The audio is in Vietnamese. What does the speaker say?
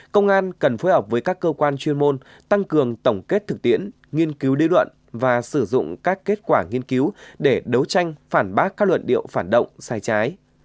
công an cần phối hợp với các cơ quan chuyên môn tăng cường tổng kết thực tiễn nghiên cứu lý luận và sử dụng các kết quả nghiên cứu để đấu tranh phản bác các luận điệu phản động sai trái